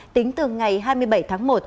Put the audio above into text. tính từ ngày hai mươi bảy tháng một